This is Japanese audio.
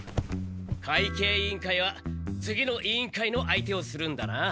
会計委員会は次の委員会の相手をするんだな。